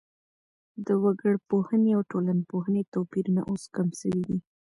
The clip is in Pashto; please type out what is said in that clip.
د وګړپوهني او ټولنپوهني توپيرونه اوس کم سوي دي.